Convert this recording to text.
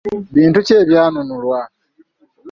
Bintu ki ebyanunulwa?